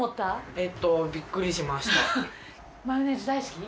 えっとマヨネーズ大好き？